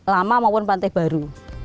lama maupun pantai baru